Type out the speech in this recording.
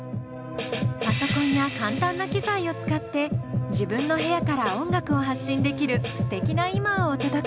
パソコンや簡単な機材を使って自分の部屋から音楽を発信できるすてきな今をお届け。